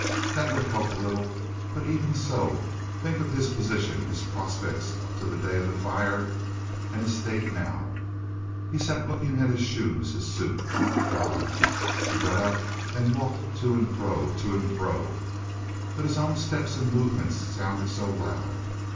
That would help a little. But even so—think of his position, his prospects up to the day of the fire and his state now. He sat looking at his shoes; his suit. God! He got up and walked to and fro, to and fro, but his own steps and movements sounded so loud.